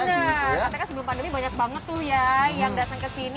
nah katanya kan sebelum pandemi banyak banget tuh ya yang datang ke sini